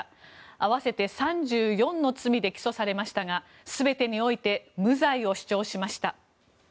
合わせて３４の罪で起訴されましたが全てにおいて無罪を主張しました。